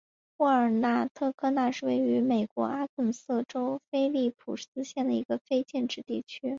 沃尔纳特科纳是位于美国阿肯色州菲利普斯县的一个非建制地区。